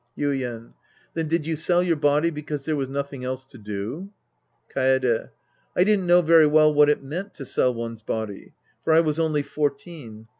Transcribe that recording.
Yuien. Then did you sell your body because there was nothing else to do ? Kaede. I didn't know very well what it meant to sell one's body. For I was only fourteen.